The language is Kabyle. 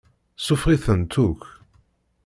Suffeɣ-itent akk.